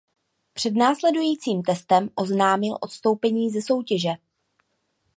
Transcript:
Před následujícím testem oznámil odstoupení ze soutěže.